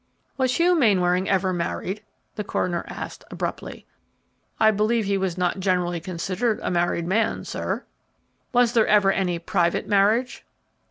"Was Hugh Mainwaring ever married?" the coroner asked, abruptly. "I believe he was not generally considered a married man, sir." "Was there ever any private marriage?"